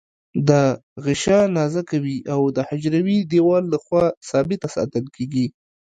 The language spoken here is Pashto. دا غشا نازکه وي او د حجروي دیوال له خوا ثابته ساتل کیږي.